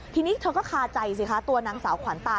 ทีนี้เธอก็คาใจสิคะตัวนางสาวขวัญตา